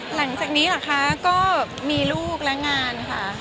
หลังจากนี้เหรอคะก็มีลูกและงานค่ะ